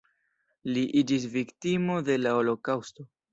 Li iĝis viktimo de la holokaŭsto.